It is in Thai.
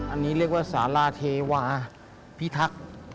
อันนี้เรียกว่าสาราเทวาพิทักษ์